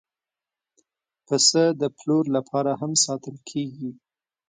پسه د پلور لپاره هم ساتل کېږي.